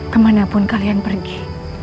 kemana pun kalian pergi